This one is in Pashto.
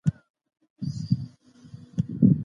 الله دې موږ جنتي کړي.